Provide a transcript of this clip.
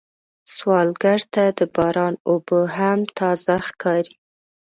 سوالګر ته د باران اوبه هم تازه ښکاري